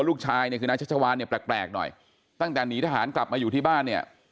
ลูกชายเนี่ยคือนายชัชวานเนี่ยแปลกหน่อยตั้งแต่หนีทหารกลับมาอยู่ที่บ้านเนี่ย